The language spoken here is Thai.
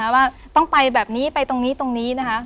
ว่าต้องไปแบบนี้ตรงนี้ตรงนี้ไปจินเปล่านะฮะ